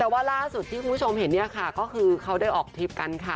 แต่ว่าล่าสุดที่คุณผู้ชมเห็นเนี่ยค่ะก็คือเขาได้ออกทริปกันค่ะ